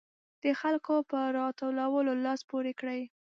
د خلکو په راټولولو لاس پورې کړي.